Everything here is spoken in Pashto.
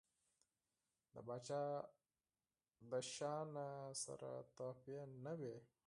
د پاچا له شانه سره تحفې نه وي.